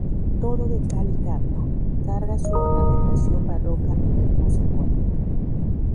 Todo de cal y canto, carga su ornamentación barroca en la hermosa puerta.